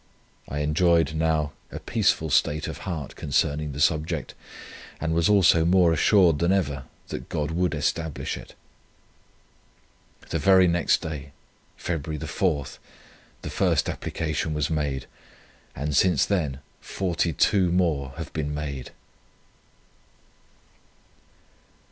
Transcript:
I enjoyed now a peaceful state of heart concerning the subject, and was also more assured than ever that God would establish it. The very next day, February 4, the first application was made, and since then 42 more have been made."